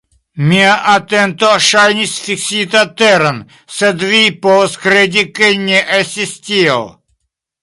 Mia atento ŝajnis fiksita teren, sed vi povas kredi, ke ne estis tiel.